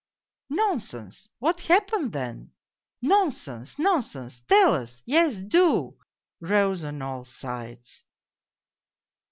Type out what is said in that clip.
" Nonsense ! What happened then ?"" Nonsense, nonsense ! Tell us ! Yes, do," rose on all sides.